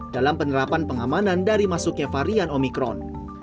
dalam penerapan pengamanan dari masuknya varian omikron